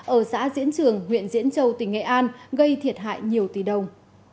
ở xã diễn trường huyện diễn châu tỉnh nghệ an gây thiệt hại nhiều tỷ đồng